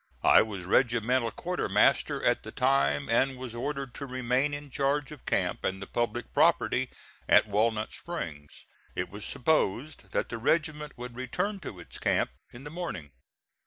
I was regimental quartermaster at the time and was ordered to remain in charge of camp and the public property at Walnut Springs. It was supposed that the regiment would return to its camp in the morning.